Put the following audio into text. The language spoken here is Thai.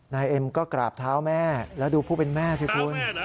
นายเอ็มก็กราบเท้าแม่แล้วดูผู้เป็นแม่สิคุณ